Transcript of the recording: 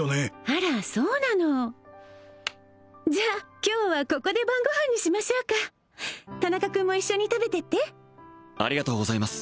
あらそうなのじゃあ今日はここで晩ご飯にしましょうか田中君も一緒に食べてってありがとうございます